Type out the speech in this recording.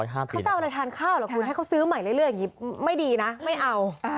เขาจะเอาอะไรทานข้าวเหรอคุณให้เขาซื้อใหม่เรื่อยอย่างนี้ไม่ดีนะไม่เอา